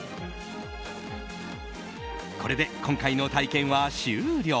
これで今回の体験は終了！